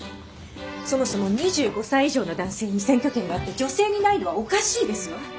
そもそも２５歳以上の男性に選挙権があって女性にないのはおかしいですわ。